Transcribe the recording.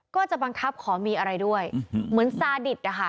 ก็จะบังคับขอมีอะไรด้วยเหมือนซาดิตนะคะ